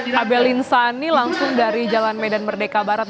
tabel insani langsung dari jalan medan merdeka barat